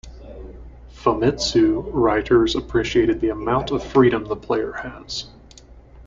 "Famitsu" writers appreciated the amount of freedom the player has.